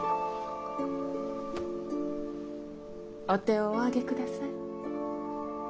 お手をお上げください。